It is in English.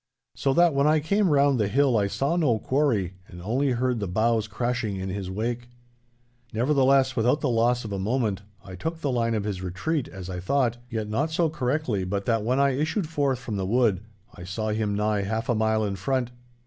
So that when I came round the hill I saw no quarry, and only heard the boughs crashing in his wake. Nevertheless, without the loss of a moment, I took the line of his retreat (as I thought), yet not so correctly but that when I issued forth from the wood I saw him nigh half a mile in front.